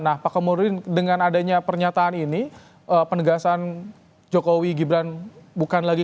nah pak komodin dengan adanya pernyataan ini penegasan jokowi gibran bukan lagi